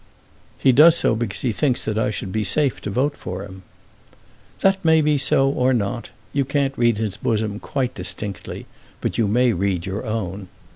"He does so because he thinks that I should be safe to vote for him." "That may be so, or not. You can't read his bosom quite distinctly; but you may read your own.